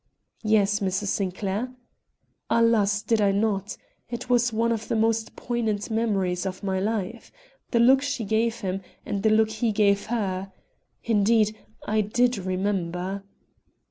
"Yes, Mrs. Sinclair." Alas! did I not! It was one of the most poignant memories of my life. The look she gave him, and the look he gave her! Indeed, I did remember.